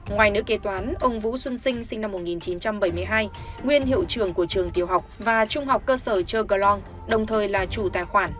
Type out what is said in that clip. ngoài nữa kế toán ông vũ xuân sinh sinh năm một nghìn chín trăm bảy mươi hai nguyên hiệu trưởng của trường tiểu học và trung học cơ sở chơ glong đồng thời là chủ tài khoản